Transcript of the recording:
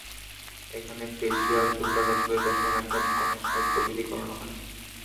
এখানে ফেসিয়াল, চুল কাটা, চুলের যত্ন, মেকআপ, কনের সাজ প্রভৃতি করানো হয়।